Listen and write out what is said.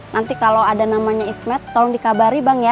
nanti kalau ada namanya ismed tolong dikabari bang ya